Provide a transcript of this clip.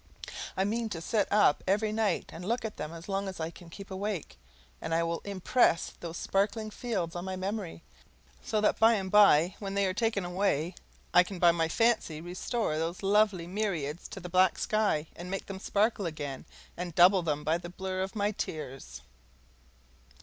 I mean to sit up every night and look at them as long as I can keep awake; and I will impress those sparkling fields on my memory, so that by and by when they are taken away I can by my fancy restore those lovely myriads to the black sky and make them sparkle again, and double them by the blur of my tears.